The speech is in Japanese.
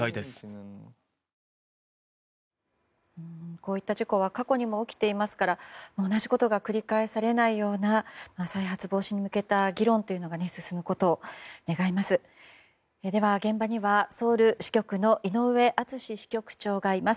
こういった事故は過去にも起きていますから同じことが繰り返されないような再発防止に向けた議論が進むことを願います。